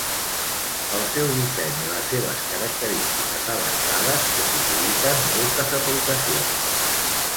El seu disseny i les seves característiques avançades possibiliten moltes aplicacions.